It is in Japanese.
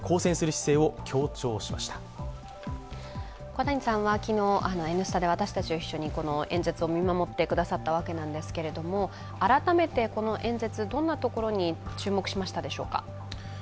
小谷さんは昨日、「Ｎスタ」で私たちと一緒にこの演説を見守ってくださったわけですけれども改めてこの演説、どんなところに注目しましたでしょうか？